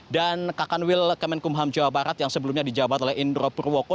dan kakan wilkeman kumham jawa barat yang sebelumnya dijabat oleh indro purwoko